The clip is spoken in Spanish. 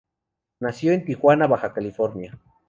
Nació en Tijuana, Baja California.